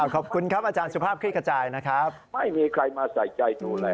ขอบคุณครับอาจารย์สุภาพคลิกขจายนะครับไม่มีใครมาใส่ใจดูแล